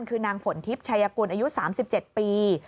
คือนางฝนทิพย์ชายกุลอายุ๓๗ปี